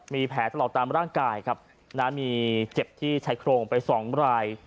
มีแผลตลอดตามร่างกายครับนะมีเจ็บที่ชายโครงไปสองราย